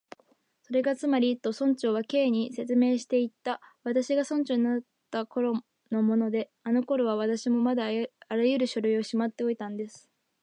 「それがつまり」と、村長は Ｋ に説明していった「私が村長になったころのもので、あのころは私もまだあらゆる書類をしまっておいたんです」